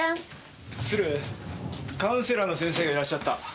鶴カウンセラーの先生がいらっしゃった。